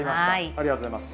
ありがとうございます。